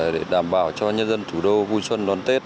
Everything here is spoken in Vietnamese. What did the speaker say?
để đảm bảo cho nhân dân thủ đô vui xuân đón tết